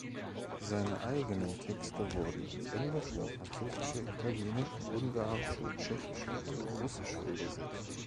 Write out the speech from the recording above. Seine eigenen Texte wurden ins Englische, Französische, Italienische, Ungarische, Tschechische und Russische übersetzt.